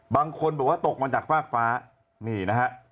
บางคนบอกว่าตกมาจากฟากฟ้านี่นะฮะ